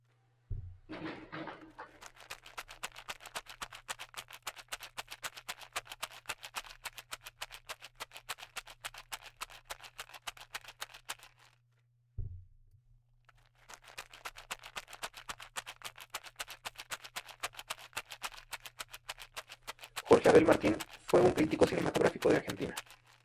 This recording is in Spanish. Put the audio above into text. Jorge Abel Martín fue un crítico cinematográfico de Argentina.